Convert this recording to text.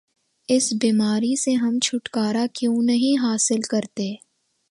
اس بیماری سے ہم چھٹکارا کیوں نہیں حاصل کرتے؟